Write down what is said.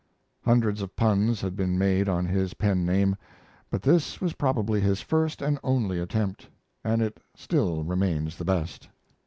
Hundreds of puns had been made on his pen name, but this was probably his first and only attempt, and it still remains the best.